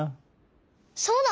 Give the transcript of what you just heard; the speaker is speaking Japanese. そうだ！